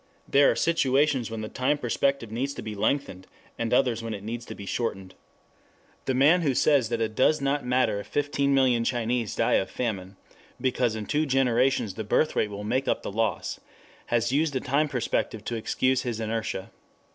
There are situations when the time perspective needs to be lengthened, and others when it needs to be shortened. The man who says that it does not matter if 15,000,000 Chinese die of famine, because in two generations the birthrate will make up the loss, has used a time perspective to excuse his inertia.